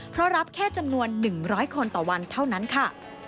เพราะรับแค่จำนวน๑๐๐คนต่อวันเท่านั้นค่ะ